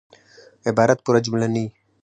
عبارت پوره جمله نه يي.